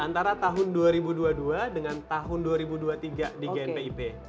antara tahun dua ribu dua puluh dua dengan tahun dua ribu dua puluh tiga di gnpip